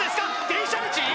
電車道？